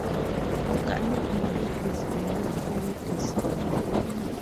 Organic molecules do not follow this rule.